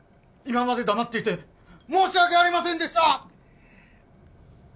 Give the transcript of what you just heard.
今まで黙っていて申し訳ありませんでした！